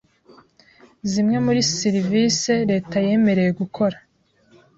zimwe muri sirivisi Leta yemereye gukora